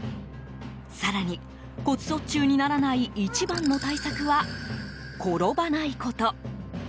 更に、骨卒中にならない一番の対策は転ばないこと。